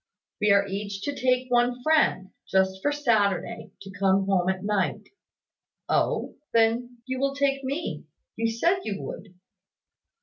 "We are each to take one friend, just for Saturday, to come home at night." "Oh? Then, you will take me. You said you would."